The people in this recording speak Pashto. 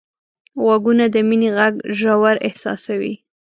غوږونه د مینې غږ ژور احساسوي